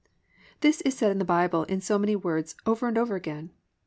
This is said in the Bible in so many words, over and over again.